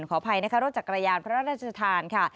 ขออภัยนะคะรถจักรยานพระราชทานค่ะ